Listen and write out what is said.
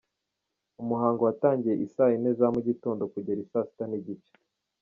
Umuhango watangiye i saa yine za mu gitondo kugera i saa sita n’igice.